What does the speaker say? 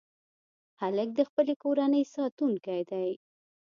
هلک د خپلې کورنۍ ساتونکی دی.